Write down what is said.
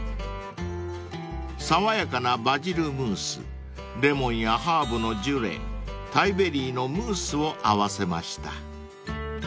［爽やかなバジルムースレモンやハーブのジュレタイベリーのムースを合わせました］